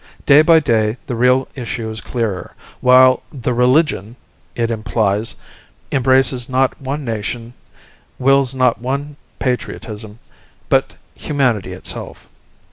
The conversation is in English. Day by day the real issue is clearer, while the "religion" it implies embraces not one nation, wills not one patriotism, but humanity itself.